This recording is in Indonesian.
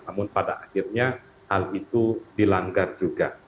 namun pada akhirnya hal itu dilanggar juga